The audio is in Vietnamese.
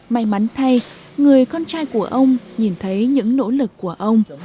may mắn thay người con trai của ông nhìn thấy những nỗ lực của ông